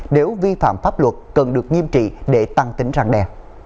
nếu vi phạm pháp luật cần được nghiêm trị để tăng tính răng đe